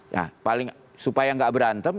nah paling supaya nggak berantem